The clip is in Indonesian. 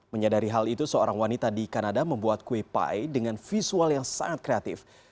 menyadari hal itu seorang wanita di kanada membuat kue pie dengan visual yang sangat kreatif